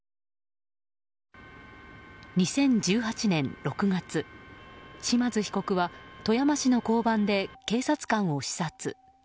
２０１８年６月島津被告は富山市の交番で警察官を刺殺。